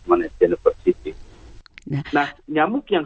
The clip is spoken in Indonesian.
university nah nyamuk yang